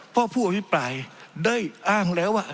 เพราะผู้อภิปรายได้อ้างแล้วว่า